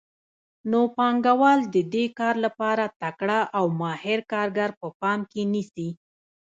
نو پانګوال د دې کار لپاره تکړه او ماهر کارګر په پام کې نیسي